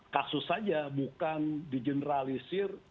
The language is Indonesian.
kasus saja bukan dijeneralisir